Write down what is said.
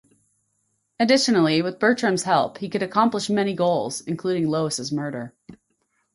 Additionally, with Bertram's help, he could accomplish many goals, including Lois' murder.